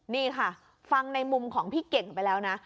นี่ค่ะฟังในมุมของพี่เก่งไปแล้วนะ